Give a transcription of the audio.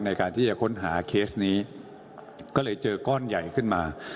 ในการที่จะค้นหาเคสนี้ก็เลยเจอก้อนใหญ่ขึ้นมา